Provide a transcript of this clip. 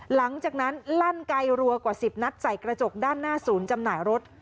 หลังจากนั้นลั่นไกลรัวกว่า๑๐นัดใส่กระจกด้านหน้าศูนย์จำหน่ายรถ